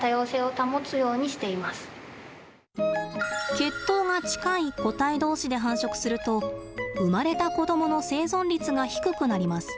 血統が近い個体同士で繁殖すると生まれた子どもの生存率が低くなります。